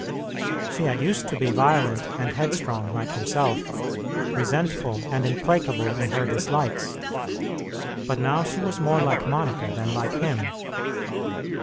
She had used to be violent and headstrong like himself, resentful and implacable in her dislikes, but now she was more like Monica than like him.